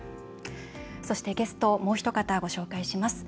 そして、ゲストもうひと方、ご紹介します。